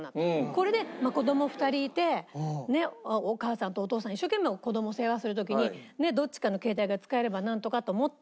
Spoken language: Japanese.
これで子供２人いてお母さんとお父さん一生懸命子供世話する時にどっちかの携帯が使えればなんとかと思って行きました。